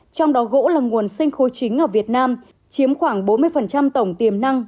trong đó gỗ là nguồn sinh khối chính ở việt nam chiếm khoảng bốn mươi tổng tiềm năng